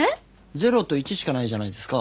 ０と１しかないじゃないですか。